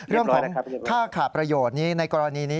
เรื่องของค่าขาดประโยชน์นี้ในกรณีนี้